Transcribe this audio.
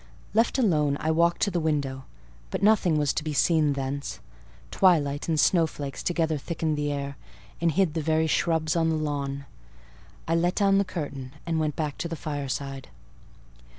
Left alone, I walked to the window; but nothing was to be seen thence: twilight and snowflakes together thickened the air, and hid the very shrubs on the lawn. I let down the curtain and went back to the fireside.